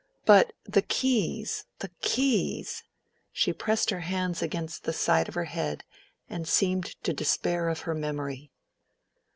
But the keys, the keys!" She pressed her hands against the sides of her head and seemed to despair of her memory.